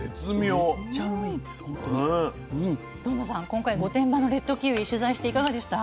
今回御殿場のレッドキウイ取材していかがでした？